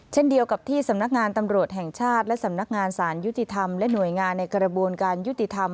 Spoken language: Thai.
เช่นเดียวกับที่สำนักงานตำรวจแห่งชาติและสำนักงานสารยุติธรรมและหน่วยงานในกระบวนการยุติธรรม